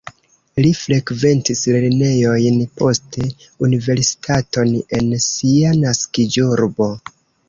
Li frekventis lernejojn, poste universitaton en sia naskiĝurbo.